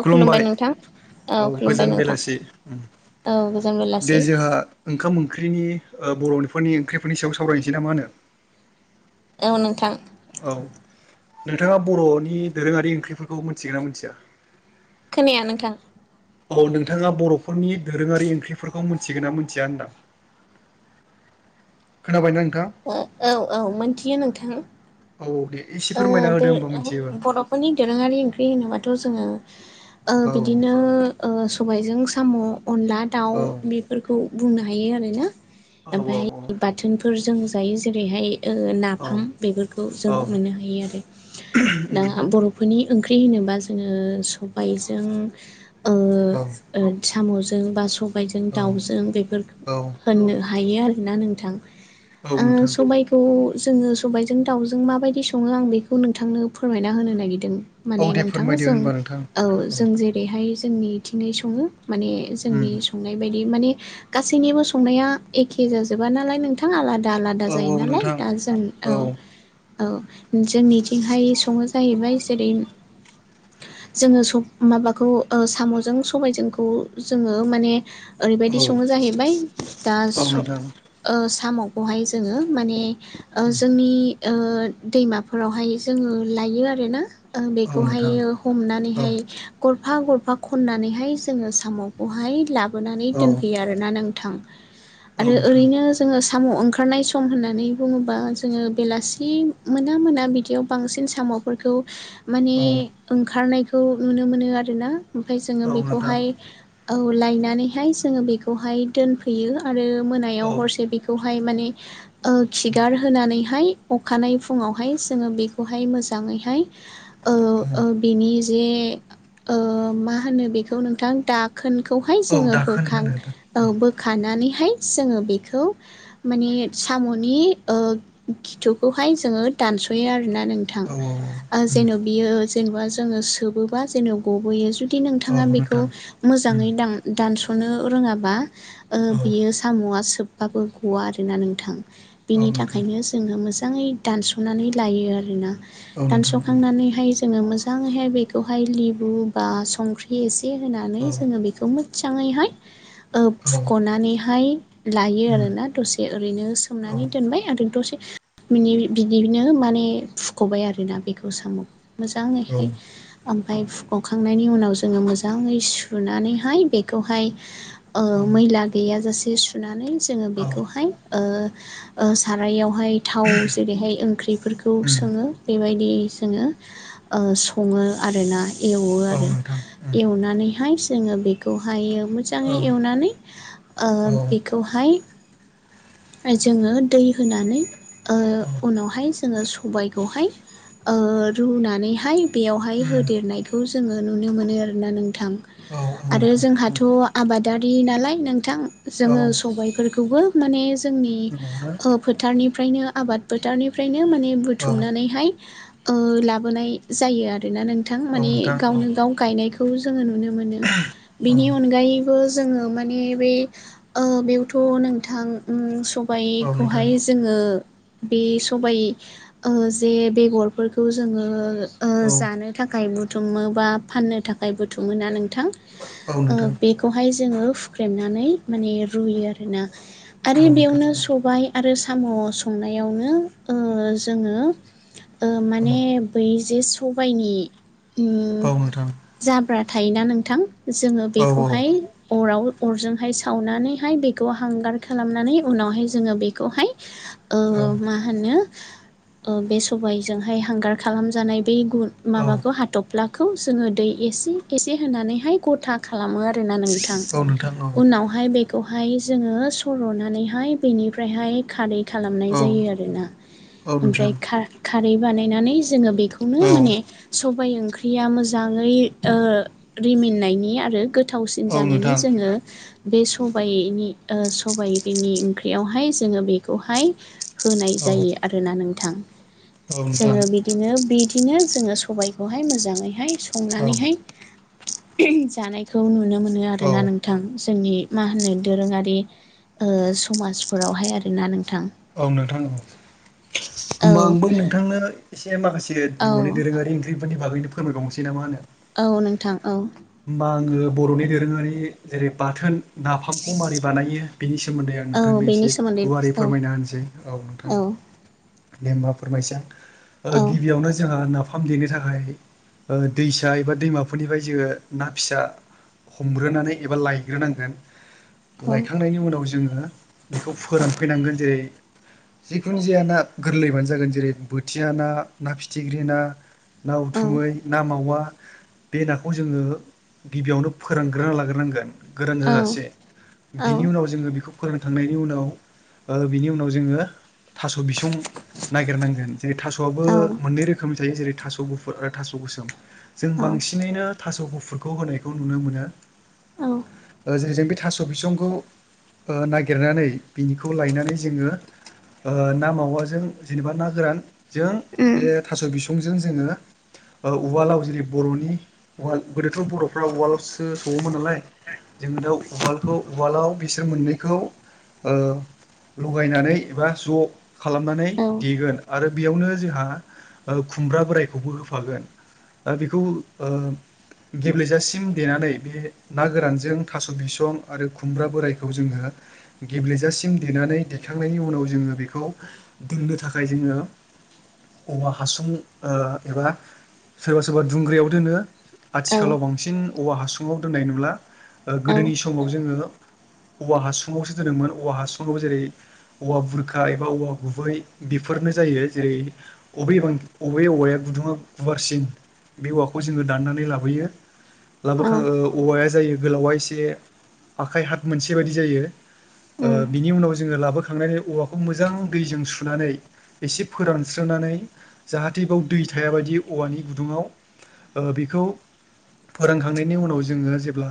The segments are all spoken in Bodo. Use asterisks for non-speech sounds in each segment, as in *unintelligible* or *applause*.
औ खुलुमबाय नोंथां औ खुलुमबाय गोजान नोंथां बेलासि औ गोजोन दे बेलासि जोंहा ओंखाम ओंख्रिनि बर'फोरनि ओंख्रिफोरनि सायाव सावरायनोसै ना मा होनो औ नोंथां औ नोंथाङा बर'नि दोरोङारि ओंख्रिफोरखौ मिथिगोन ना मिथिया खोनाया नोंथां औ नोंथाङा बर'फोरनि दोरोङारि ओंख्रिफोरखौ मिथिगोन ना मिथिया होनदां खोना बाय ना औ औ मोनथियो नोंथां औ दे एसे फोरमायना होदो होमबा मिथियोबा बर'फोरनि दोरोङारि ओंख्रि होनोबाथ' जोङो औ बिदिनो सबायजों साम' अनला दाउ औ बेफोरखौ बुंनो हायो आरोना औ औ ओमफफ्रायहाय बाथोनफोर जों जायो जेरैहाय नाफाम बेफोरखौ जों मोननो हायो आरो दा बर'फोरनि ओंख्रि होनोबा जोङो सबायजों ओ औ ओ साम'जों बा सबायजों औ दाउजों बेफोर होननो हायो आरोना नोंथां औ नोंथां सबायखौ जोङो सबायजों दाउजों माबायदि सङो आं बेखौ नोंथांनो फोरमायना होनो नागिरदों औ माने दे नोंथां फोरमायदो जों होनबा नोंथां औ जों जेरैहाय जोंनिथिंङै सङो माने उम जोंनि संनाय बायदि माने गासैनिबो संनाया एखे जाजोबा नालाय नोंथां आलादा आदा आलादा औ जायो औ नालाय नोंथां दा जों औ औ जोंनिथिंहाय सङो जाहैबाय जेरै जोङो माबाखौ साम'जों सबायजोंखौ जोङो माने औ ओरैबायदि सङो जाहैबाय दा औ नोंथां सामावखौहाय जोङो माने उम जोंनि दैमाफोरावहाय जोङो लायो आरो ना औ बेखौहाय नोंथां औ हमनानैहाय ग गरफा गरफा खननानैहाय जोङो साम'खौहाय लाबोनानै औ दोनफैयो आरोना नोंथां औ आरो नोंथां ओरैनो जोङो साम' ओंखारनाय सम होननानै बुङोबा जोङो बेलासि मोना मोना बिदियाव बांसिन साम'फोरखौ माने औ ओंखारनायखौ खौ नुनो मोनो आरोना ओमफ्राय जोङो औ नोंथां बेखौहाय औ लायनानैहाय जोङो बेखौहाय दोनफैयो आरो औ मोनायाव हरसे बेखौ माने खिगार होनानैहाय अखानायै फुं फुङावहाय जोङो बेखौहाय मोजांङैहाय औ जे मा होनो बेखौ नोंथां दा खोनखौहाय औ जोङो दाखोन बोखां होनो नोंथां बोखानानैहाय जोङो बेखौ माने साम'नि खिथुखौहाय जोङो दानस'यो आरोना नोंथां औ औ जेन' बियो जेनेबा जोङो सोबोबा जेन' गबोयो जुदि औ नोंथाङा बेखौ नोंथां मोजाङै दानस नो नो रोङाबा औ बियो साम'आ सोबबाबो गवा आरोना नोंथां औ बिनि नोंथां थाखायनो जोङो मोजाङै दानस'नानै लायो आरोना औ नोंथां दानस'खांनानैहाय जोङो मोजाङैहाय बेखौहाय लेबु बा संख्रि एसे। होनानै औ जोङो बेखौ मोजाङैहाय। औ औ नोंथां औ फुख'नानैहाय लायो आरोना दसे ओरैनो सोमनानै औ दोनबाय आरो दसे। बिदिनो माने फुख'बाय आरोना बेखौ साम' मोजाङैहाय नोंथां फाय हखखांनायनि उनाव जोङो मोजाङै सुनानैहाय बेखौहाय। ओ औ मैला गैयाजासे सुनानै जोङो बेखौहाय ओ ओ सारायाव। फाय थाव जेरैहाय ओंख्रिफोरखौ सोङो बे। बायदि जोङो ओ सङो आरोना एवो आरो एवनानैहाय जोङो बेखौहाय मोजाङै एवनानै ओ बेखौहाय जोङो दै होनानै ओ उनावहाय जोङो सबायखौहाय। ओ रुनानैहाय बेयावहाय होदेरनायखौ जोङो नुनो मोनो आरोना नों थां आरो जोंहाथ' आबाद। दारि नालाय नोंथां जोङो सबायफोरखौबो माने। जोंनि नंगौना फो फोथारनिफ्रायनो आबाद फोथारनिफ्रायनो माने औ बुथुमनानैहाय ओ लाबोनाय जायो आरोना नोंथां औ माने नोंथां औ गावनो औ गाव गायनायखौ जोङो नुनो। मोनो बिनि अनगायैबो। जोङो माने बे ओ बेयावथ' नोंथां उम सं औ नोंथां बायखौहाय जोङो बे सबाय ओ जे बेगरफोरखौ जोङो ओ औ जानो थाखाय बुथुमो बा फाननो थाखाय बुथुमो ना नोंथां औ ओ नोंथां बेखौहाय जोङो हुख्रेमनानै माने रुयो आरोना। आरो औ बेयावनो सबाय आरो साम' संनायावनो ओ जोङो। ओ नोंथां माने बै जे सबायनि उम औ औ नोंथां जाब्रा। थायोना नोंथां जोङो औ बेखौहाय अराव। अरजोंहाय सावनानैहाय बेखौ हांगार खालामनानै उनावहाय जोङो बेखौहाय। ओ मा होनो बे सबायजोंहाय हांगार खालामजानाय बे गुन औ माबाखौ हाथफ्लाखौ जोङो दै एसे एसे होनानैहाय गथा खालामो आरो। रो ना नोंथां औ नोंथां औ उनावहाय बेख खौहाय जोङो सर'नानैहाय बेनिफ्रायहाय खारै खालामनाय औ जायो आरोना औ नोंथां ओमफ्राय खा खारै बानायनानै जोङो बे खौनो औ माने सबाय ओंख्रिया मोजाङै ओ रिमिनायनि आरो गो थावसिन औ जानायनि नोंथां जोङो बे सबाइनि ओ सो सबाइ बिनि ओंख्रियावहाय जोङो बेखौहाय होनाय औ जायो आरोना नोंथां। औ नोंथां जोङो बिदिनो बिदिनो जोङो सबायखौहाय मोजाङैहाय। औ संनानैहाय जानायखौ नुनो मोनो आरोना नोंथां। जोंनि मा होनो दोरोङारि ओ समाजफोरावहाय आरोना नों। औ नोंथां औ होमबा आंबो नोंथांनो एसे माखासे *unintelligible* बर'नि औ दोरोङारि ओंख्रिफोरनि बागैनो फोरायबावनोसै ना मा होनो। औ नोंथां औ। होमबा आङो बर'नि दोरोङारि जेरै बाथोन नाफामखौ मारै बानायो बिनि सो सोमोन्दै आं औ नोंथांनो बेनि एसे सोमोन्दै गुवारै औ फोरमायना होनो। सै औ नोंथां दे होनबा फोरमायसां औ गिबियावनो जोंहा ना। फाम देनो थाखाय ओ दैसा एबा दैमाफोरनिफ्राय जोङो ना फिसा। हमग्रोनानै एबा लायग्रोनांगोन औ लायखांनायनि उनाव जोङो बेखौ फोरानफैनांगोन जेरै जिखुनु जाया ना गोरलैबानो जागोन जेरै बोथिया ना ना फिथिग्रि ना। ना औ उथुमै ना मावा बे नाखौ जोङो गिबियावनो फोरानग्रोना लाग्रोनांगोन गोरान औ जाजासे बिनि उनाव जोङो बेखौ फोरानखांनायनि उनाव ओ बिनि उनाव खौ जोङो थ'स बिसं नागिरनांगोन जेरै थास'आबो औ मोननै रोखोमनि थायो जेरै थास' गुफुर आरो थास' गोसोम जों बांसिनैनो थास' गुफुरखौ होनायखौ नुनो मोनो औ जो जों बे थास' बिसंखौ ओ नागिरनानै बिनिखौ लायनानै जोङो ओ ना मावाजों जेनेबा ना गोरानजों उम बे थास' बिस' संजों जोङो उवालाव जेरै बर'नि उवाल गोदोथ' बर'फ्रा उवालावसो सौवोमोन नालाय जोङो दा उवालखौ उवालाव बिसोर मोननैखौ ओह गलायनानै एबा ज खालामनानै देगोन आरो बेयावनो जोहा खुमब्राबो बोरायखौबो होफागोन बेखौ ओह गेब्लेजासिम देनानै बे ना गोरानजों थास' बिसं आरो खुमब्रा बोरायखौ जोङो गेब्लेेजासिम देनानै दिखांनायनि उनाव जोङो बेखौ दोननो थाखाय जोङो औवा हासुं ओ एबा सोरबा सोरबा दुंग्रायाव दोनो औ आथिखालाव बांसिन औवा हासुङाव दोननाय नुला औ गोदोनि समाव जोङो औवा हासुुङावसो दोनोमोन औवा हासुङावबो जेरै औवा बुरखा एबा औवा गुबै बेफोरनो जायो जेरै अबे बां बबेबे औवाया गुदुङा गुवारसिन बे औवाखौ जोङो दाननानै लाबोयो औ लाबोखां औवाया जायो गोलावा एसे आखाइ हाथ मोनसे बायदि जायो उम बिनि उनाव ज जोङो लाबोखांनानै औवाखौ मोजां दैजों सुनानै एसे फोरानस्रांनानै जाहाथे बेाव दै थाया बायदि औवानि गुदुङाव ओ बेखौ फोरांखांनायनि उनाव जोङो जेब्ला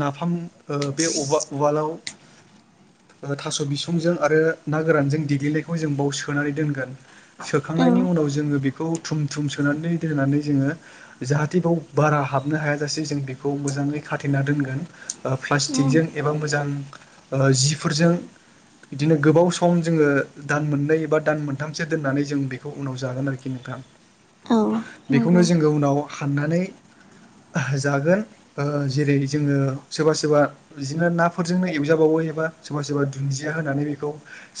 नाफाम ओ बे उवालाव थास' बिसंजों आरो ना गोरानजों देग्लिनायखौ जों बाव सोनानै दोनगोन औ सोखांनायनि उनाव जोङो बे थुम थुम सोनानै दोननानै जोङो जाहाथे बेयाव बारा हाबनो हायाजासे जों बेखौ मो जाङै खाथेना दोनगोन औ प्लासटिकजों एबा मोजां जिफोरजों बिदिनो गोबाव सम जोङो दान मोननै बा दान मोनथामसो दोननानै जों बेखौ उनाव जागोन आरोखि न औ बेखौनो नंगौ जोङो उनाव हाननानै जागोन ओ जेरै जोङो सोरबा सोरबा बिदिनो नाफोरजोंनो एवजाबावो एबा सोरबा सोरबा दुन्दिया होनानै बेखौ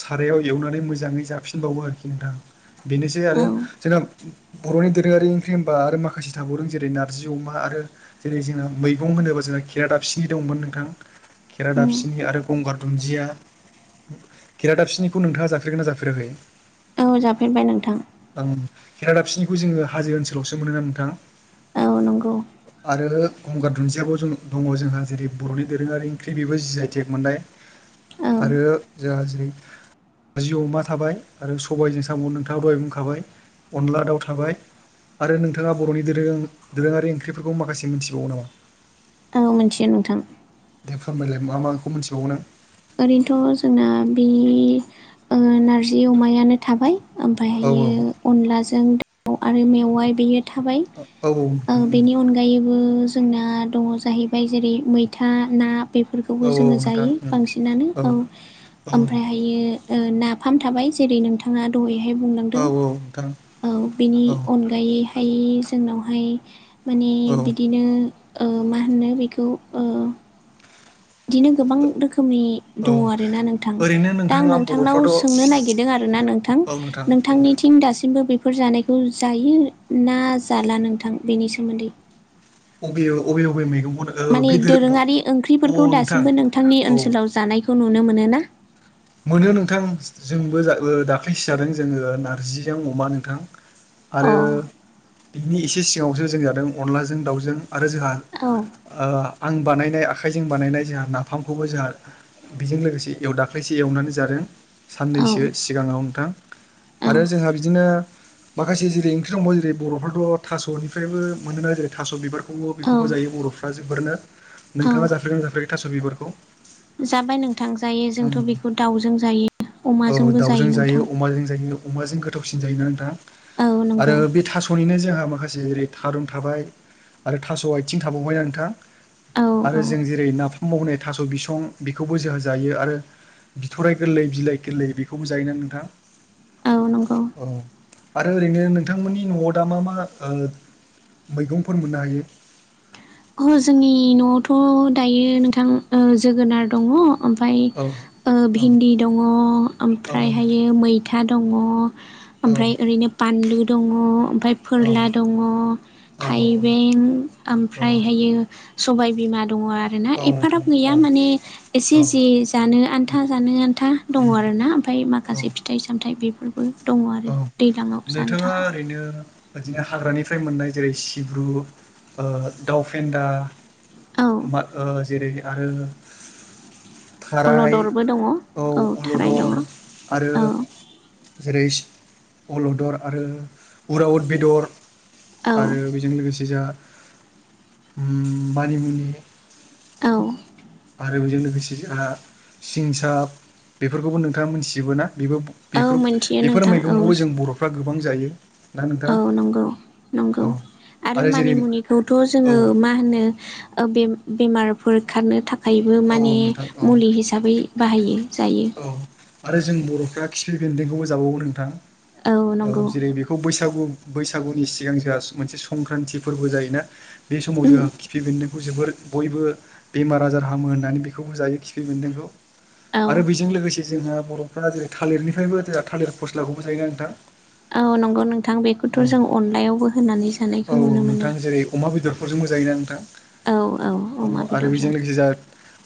सारायाव एवनानै मोजाङै जाफिनबावो आरोखि नोंथां बेनोसै आरो औ जोंना बर'नि दोरोङारि ओंख्रि होनबा आरो माखासे थाबावदों जेरै नारजि अमा आरो जेरै जोंना मैगं होनोबा जोंहा खेरादाफिनि दंमोन नोंथां उम खेरादाफिनि आरो गंगार दुन्जिया खेरादाफिनिखौ नोंथाङा जाफेरगोन ना जाफेराखै औ जाफेरबाय नोंथां केेरादाफिनिखौ जोङो हाजो ओनसोलावसो मोनोना नोंथां औ नंगौ आरो गंगार दुन्दियाबो जों दङ जोंहा जेरै बर'नि दोरोङारि ओंख्रि बेबो जि आइ तेक मोननाय औ आरो जोहा जेरै नारजि अमा थाबाय आरो सबायजों साम' नोंथाङा बाय बुंखाबाय अनला दाउ थाबाय आरो नोंथाङा बर'नि दोरों दोरोङारि ओंख्रिफोरखौ माखासे मिथिबावो नामा औ मिथियो नोंथां दे फोरमायलाय मा माखौ मिथिबावो नों ओरैनोथ' जोंना बे नारजि अमायानो थाबाय औ ओमफ्रायहायो अनलाजों दाउ आरो मेवाय बेयो थाबाय औ बेनि अनगायैबो जोंना दङ जाहैबाय जेरै मैथा ना बेफोरखौबो औ जोङो नोंथां जायो बांसिनानो औ ओमफ्रायहायो नाफाम थाबाय जेरै नोंथाङा दहाय औ बुंलांदों नोंथां औ बेनि औ अनगायैहाय जोंनावहाय माने औ बिदिनो मा होनो बेखौ ओह बिदिनो गोबां रोखोमनि औ दङ आरो ना नोंथां ओरैनो दा आं नोंथाङा नोंथांनाव बर'फ्राथ' सोंनो नागिरदों आरो ना नोंथां औ नोंथां दे नोंथांनिथिं दासिमबो बेफोर जानायखौ खौ जायो ना जाला नोंथां बेनि सोमोन्दै अबे अबे अबे मैगं माने दोरोङारि ओंख्रिफोरखौ नोंथां दासिमबो नोंथांनि औ ओनसोलाव जानायखौ नुनो मोनो ना? मोनो नोंथां जोंबो दाख्लैसो जादों जोङो नार्जिजों अमा नोंथां अ आरो औ बिनि एसे सिगाङावसो जों जादों अनलाजों दाउजों आरो जोंहा ओ आं बानायनाय आखाइजों बानायनाय जोंहा नाफामखौबो जोंहा बेजों लोगोसे एवदा खायसे एवनानै जादों औ साननैसो सिगाङाव नोंथां औ आरो जोंहा बिदिनो माखासे जेरै ओंख्रि दंबावो जेरै बर'फ्राथ' थास'निफ्रायबो मोनो ना जेरै थास' बिबारखौ औ बेखौबो जायो बर'फ्रा जोबोरैनो औ नोंथाङा जाफेरगोन जाफेराखै थास' बिबारखौ जाबाय नोंथां जायो जोंथ' बेखौ दाउजों जायो औ अमाजोंबो दाउजों जायो नोंथां अमाजों जायो अमाजों गोथावसिन जायोना नोंथां औ नंगौ आरो बे थास'निनो जों माखासे माखासे थारुन थाबाय आरो थास' आथिं थाबावबाय ना नोंथां औ आरो औ जों जेरै नाफामाव होनाय थास' बिसं बेखौबो जोहा जायो आरो बिथराय गोरलै बिलाइ गोरलै बेखौबो जायोना नोंथां औ नंगौ अ ओरैनो नोंथांमोननि न'आव दा मा मा ओ मैगंफोर मोननो हायो अ जोंनि न'आवथ' दायो नोंथां जोगोनार दङ' ओमफ्राय औ औ भिन्दि दङ औ ओमफ्रायहायो मैथा दङ औ ओमफ्राय ओरैनो बानलु दङ ओमफ्राय फोरला दङ औ थाइबें औ ओमफ्रायहायो सबाय बिमा दङ आरोना औ एफाराब नोंथां गैया औ माने एसे औ जे जानो उम आन्था जानो आनथा दङ उम आरो ना औ माखासे फिथाइ सामथाय औ नोंथाङा थाखाय ओरैनो बिदिनो हाग्रानि फ्राय मोननाय जेरै सिब्रु दाउ फेन्दा औ मा जेरै आरो अलदरबो दङ थाराइखौ औ थाराय दङ अलदर आरो औ जेरै अलदर आरो उराउद बेदर औ आरो बेजों लोगोसे जोंहा मानिमुनि औ आरो बेजों लोगोसे जोंहा सिंसाब बेफोरखौबो नोंथाङा मोनथिजोबो ना औ बेबोफोर मोनथियो बेफोर नोंथां औ मैगंखौबो जों बर'फ्रा गोबां जायो ना नोंथां औ नंगौ नंगौ औ आरो मानिमुनिखौथ' औ जोङो मा होनो बे बेमार होखारनो थाखायबो औ माने नोंथां औ मुलि हिसाबै बाहायो जायो औ आरो जों बर'फ्रा खिफि बेन्दोंखौबो जाबावो नोंथां औ जेरै बेखौ बैसागु बसाग बैसागुनि सिगां जोंहा मोनसे संक्रान्ति फोरबो जायोना बे समाव जोंहा खिफि बेन्दों बेखौ जोबोर बयबो बेमार आजार हामो होननानै बेखौबो जायो खिफि बेन्दोंखौ औ आरो बेजों लोगोसे जोंहा बर'फोरा जेरै थालिरनिफ्रायबो जोंहा थालिर फस्लाखौबो जायो नोंथां औ नंगौ नोंथां बेखौथ' औ जों अनलायावबो होनानै जानायखौ नुनो मोनो मोजाङै ना नोंथां औ अमा औ आरो बेदरजों बेजों लोगोसे जोहा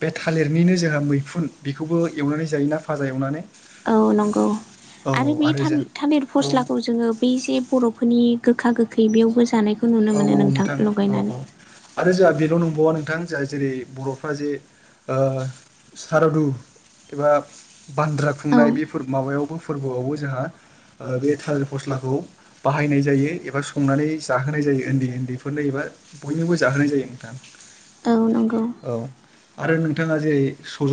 बे थालिरनिनो जोंहा मैखुन बेखौबो एवनानै जायोना फाजा एवनानै औ नंगौ औ आरो बे था जों थालिर औ फस्लाखौ जोङो बै जे बर'फोरनि गोखा गोखै बेयावबो जानाय औ औ नोंथां औ औ आरो जोंहा बेन' नंबावा नों- -थां जोंहा जेरै बर'फ्रा जे सारादु एबा बान्द्रा औ खुंनाय बेफोर माबायावबो फोरबोआवबो‌ जोंहा बे थालिर फस्लाखौ बाहायनाय जायो एबा संनानै जा- -होनाय जायो उन्दै उन्दैफोरनो एबा बयनोबो जाहोनाय जायो नोंथां औ नंगौ औ आरो नोंथाङा जेरै सजन